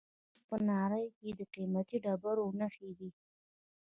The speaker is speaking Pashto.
د کونړ په ناړۍ کې د قیمتي ډبرو نښې دي.